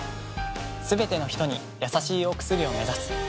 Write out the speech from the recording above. すべてのひとにやさしいお薬を目指す。